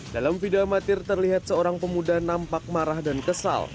dalam video amatir terlihat seorang pemuda nampak marah dan kesal